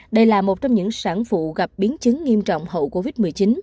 đây là một trong những sản phụ gặp biến chứng nghiêm trọng hậu covid một mươi chín